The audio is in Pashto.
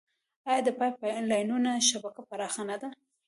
آیا د پایپ لاینونو شبکه پراخه نه ده؟